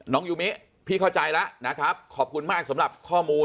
ยูมิพี่เข้าใจแล้วนะครับขอบคุณมากสำหรับข้อมูล